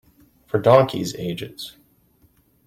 For donkeys' ages.